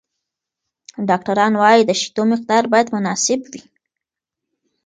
ډاکټران وايي، د شیدو مقدار باید مناسب وي.